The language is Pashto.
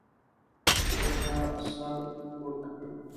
که به چا سر پورته کړ.